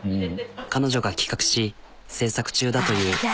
彼女が企画し製作中だという。